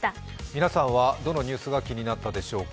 皆さんはどのニュースが気になったでしょうか。